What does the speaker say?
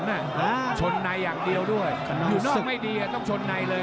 ชนในอย่างเดียวด้วยอยู่นอกไม่ดีต้องชนในเลย